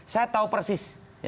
saya tahu persis